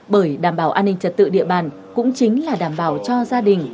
bởi đảm bảo an ninh trật tự địa bàn cũng chính là đảm bảo cho gia đình